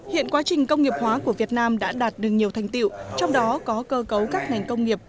hiện quá trình công nghiệp hóa của việt nam đã đạt được nhiều thành tiệu trong đó có cơ cấu các ngành công nghiệp